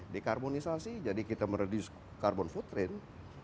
dekarbonisasi jadi kita mereduce carbon footprint